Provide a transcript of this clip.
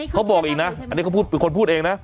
เขาบอกอีกนะอันนี้เขาพูดเป็นคนพูดเองนะ